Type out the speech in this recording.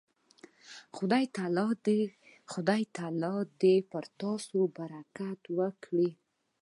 خدای تعالی دې پر تاسو برکت وکړي.